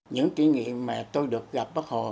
những kỷ niệm mà tôi được gặp bác hồ